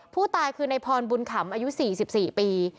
ผู้ตายคือในพรบุญขำอายุ๔๔ปี